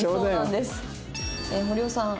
堀尾さん。